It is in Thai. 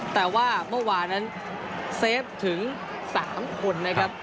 แต่ว่าเมื่อวานนั้นเซฟถึง๓คนนะครับ